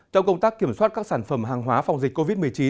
trong công tác kiểm soát các sản phẩm hàng hóa phòng dịch covid một mươi chín